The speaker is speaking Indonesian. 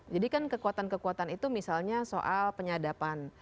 jadi kan kekuatan kekuatan itu misalnya soal penyadapan